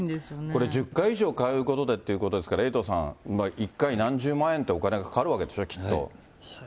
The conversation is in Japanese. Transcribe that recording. これ１０回以上通うことでということなんで、エイトさん、１回何十万円ってお金がかかるわけでしょ、きっと。